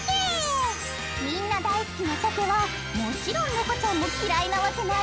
「みんな大好きなシャケはもちろん猫ちゃんも嫌いなわけないよね」